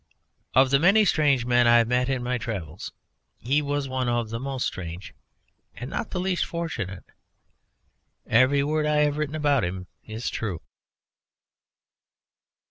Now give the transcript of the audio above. Of the many strange men I have met in my travels he was one of the most strange and not the least fortunate. Every word I have written about him is true.